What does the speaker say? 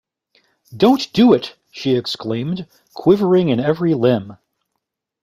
'Don't do it!' she exclaimed, quivering in every limb.